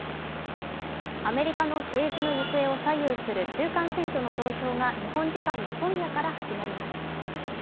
アメリカの政治の行方を左右する中間選挙の投票が日本時間の今夜から始まります。